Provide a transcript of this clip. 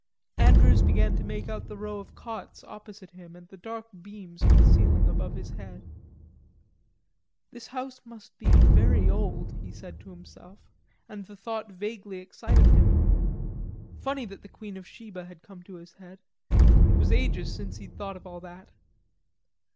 Andrews began to make out the row of cots opposite him, and the dark beams of the ceiling above his head. "This house must be very old," he said to himself, and the thought vaguely excited him. Funny that the Queen of Sheba had come to his head, it was ages since he'd thought of all that.